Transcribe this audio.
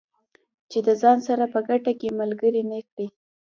چې د ځان سره په ګټه کې ملګري نه کړي.